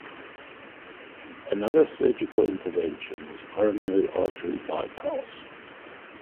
Another surgical intervention is coronary artery bypass.